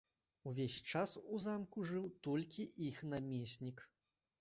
Увесь час у замку жыў толькі іх намеснік.